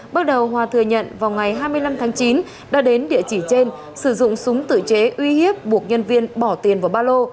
bước đầu hòa thừa nhận vào ngày hai mươi năm tháng chín đã đến địa chỉ trên sử dụng súng tự chế uy hiếp buộc nhân viên bỏ tiền vào ba lô